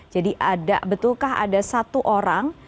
jadi betulkah ada satu orang